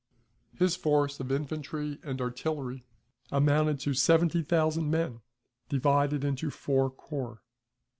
His force of infantry and artillery amounted to seventy thousand men, divided into four corps.